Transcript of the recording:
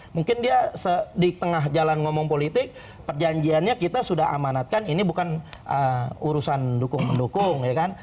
mungkin dia di tengah jalan ngomong politik perjanjiannya kita sudah amanatkan ini bukan urusan dukung mendukung ya kan